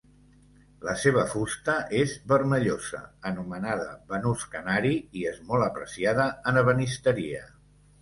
La seva fusta és vermellosa, anomenada banús canari, i és molt apreciada en ebenisteria.